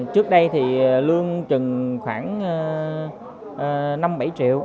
trước đây thì lương chừng khoảng năm bảy triệu